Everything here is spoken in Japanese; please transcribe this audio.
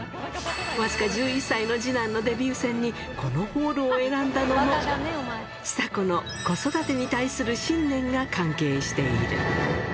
僅か１１歳の次男のデビュー戦にこのホールを選んだのも、ちさ子の子育てに対する信念が関係している。